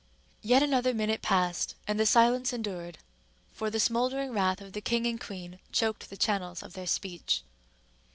Yet another minute passed and the silence endured, for the smouldering wrath of the king and queen choked the channels of their speech.